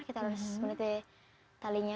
kita harus menutupi talinya